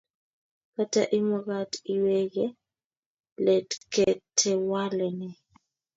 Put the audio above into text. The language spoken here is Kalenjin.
kata imugat iwege letketewale nee